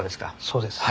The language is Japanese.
そうです。